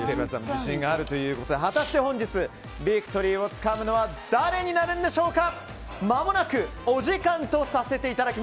自信があるということで果たして本日ヴィクトリーをつかむのは誰になるんでしょうか。